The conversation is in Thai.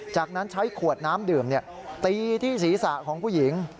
จากนั้นใช้ขวดน้ำดื่มตีที่ศีรษะของผู้หญิง